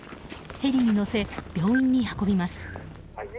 ヘリに乗せ、病院に運びます。